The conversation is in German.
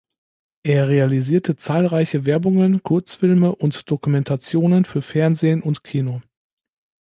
Er realisierte zahlreiche Werbungen, Kurzfilme und Dokumentationen für Fernsehen und Kino.